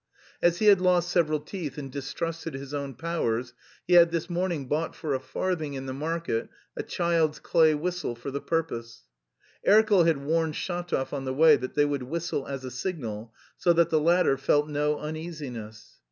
(As he had lost several teeth and distrusted his own powers, he had this morning bought for a farthing in the market a child's clay whistle for the purpose.) Erkel had warned Shatov on the way that they would whistle as a signal, so that the latter felt no uneasiness.